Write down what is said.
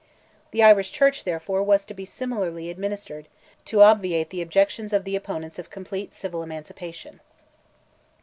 The Irish Church, therefore, was to be similarly administered, to obviate the objections of the opponents of complete civil emancipation.